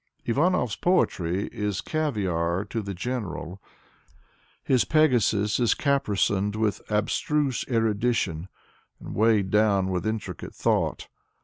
Ivanov's poetry is caviar to the general. His Pegasus is caparisoned with abstruse erudition and weighed down with intricate thought.